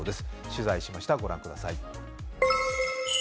取材しました、ご覧ください。